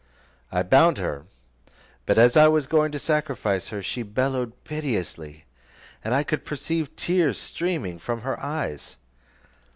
I bound her, but as I was going to sacrifice her, she bellowed piteously, and I could perceive tears streaming from her eyes.